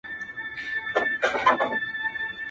که مي نصیب وطن ته وسو-